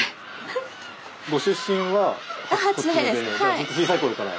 ずっと小さいころから？